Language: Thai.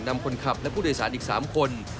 นำคนขับและผู้โดยสารอีก๓คน